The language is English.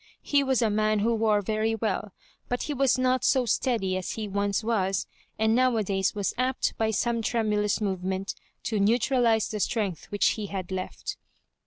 He was a man who wore very well, but he was not so steady as he once was, and nowadays was apt, by some tremulous move ment, to neutralise the strength which he had left.